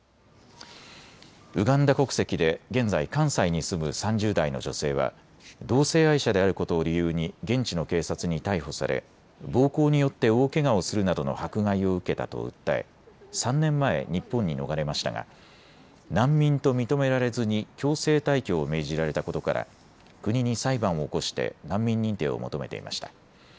ウガンダ国籍で現在、関西に住む３０代の女性は同性愛者であることを理由に現地の警察に逮捕され暴行によって大けがをするなどの迫害を受けたと訴え３年前、日本に逃れましたが難民と認められずに強制退去を命じられたことから国に裁判を起こして難民認定を求めていました。